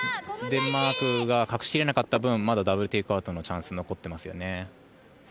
デンマークが隠し切れなかった分まだダブル・テイクアウトのチャンスが残っていますよね。